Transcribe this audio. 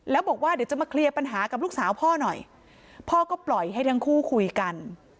แล้วบอกว่าเดี๋ยวจะมาเคลียร์ปัญหากับลูกสาวพ่อหน่อยพ่อก็ปล่อยให้ทั้งคู่คุยกัน